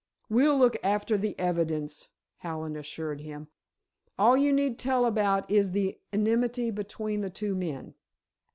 "We'll look after the evidence," Hallen assured him. "All you need tell about is the enmity between the two men."